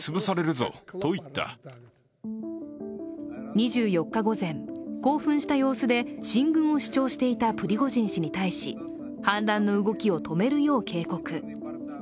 ２４日午前、興奮した様子で進軍を主張していたプリゴジン氏に対し反乱の動きを止めるよう警告。